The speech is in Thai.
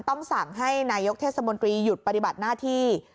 ต้องสั่งให้นายกเทศมนตรีหยุดปฏิบัติหน้าที่